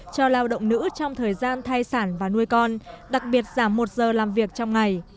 cho lao động nữ trong thời gian thai sản và nuôi con đặc biệt giảm một giờ làm việc trong ngày